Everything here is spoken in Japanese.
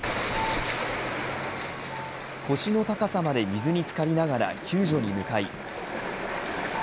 腰の高さまで水につかりながら救助に向かい。